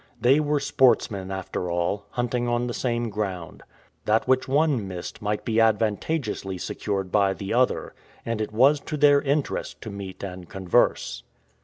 They were sportsmen, after all, hunting on the same ground. That which one missed might be advantageously secured by the other, and it was to their interest to meet and converse.